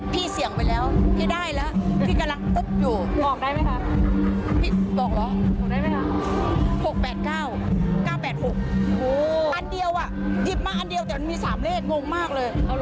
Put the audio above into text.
เรียกว่าเอาเงินหนึ่งอันเดียวแต่มันมีสามเลขงงมากเลย